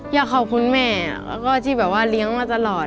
อยากขอบคุณแม่แล้วก็ที่แบบว่าเลี้ยงมาตลอด